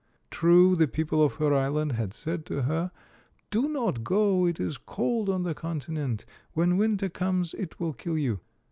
True, the people of her island had said to her, " Do not go. It is cold on the continent. When winter comes it will kill you."